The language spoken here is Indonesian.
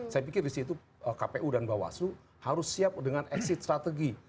saya pikir disitu kpu dan bawaslu harus siap dengan exit strategi